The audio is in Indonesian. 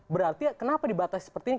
berarti kenapa dibatasi seperti ini